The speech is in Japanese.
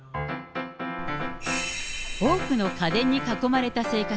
多くの家電に囲まれた生活。